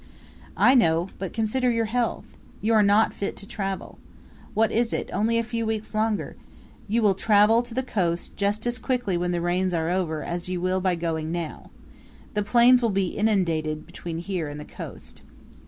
"I know; but consider your health you are not fit to travel. What is it? Only a few weeks longer. You will travel to the coast just as quickly when the rains are over as you will by going now. The plains will be inundated between here and the coast."